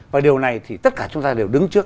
và điều này thì tất cả chúng ta đều đứng trước